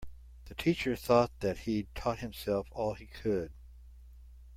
The teacher thought that he'd taught himself all he could.